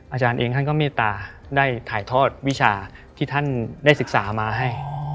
อาจารย์เองท่านก็เมตตาได้ถ่ายทอดวิชาที่ท่านได้ศึกษามาให้